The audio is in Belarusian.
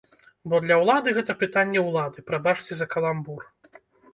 Бо для ўлады гэта пытанне ўлады, прабачце за каламбур.